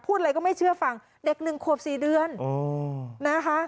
พูดอะไรก็ไม่เชื่อฟังเด็กหนึ่งควบสี่เดือนโอ้นะคะ